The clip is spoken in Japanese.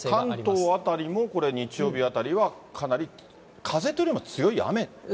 関東辺りも、これ、日曜日あたりはかなり風というよりも強い雨と。